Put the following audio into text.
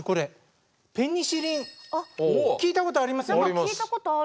何か聞いたことある。